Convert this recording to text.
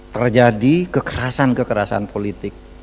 terjadi kekerasan kekerasan politik